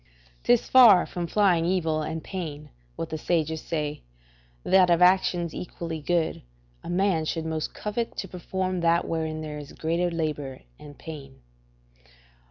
'Tis far from flying evil and pain, what the sages say, that of actions equally good, a man should most covet to perform that wherein there is greater labour and pain.